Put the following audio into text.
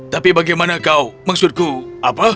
tapi bagaimana kau maksudku apa